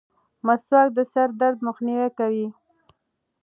مسواک د سر درد مخنیوی کوي.